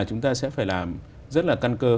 chúng ta sẽ phải làm rất là căn cơ